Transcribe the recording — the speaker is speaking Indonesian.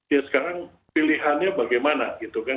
ya sekarang pilihannya bagaimana